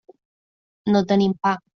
No tenim pa.